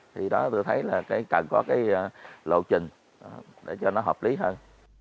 thì đó tôi thấy là cần có cái lộ trình để cho nó hợp lý hơn